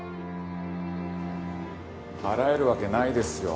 払えるわけないですよ。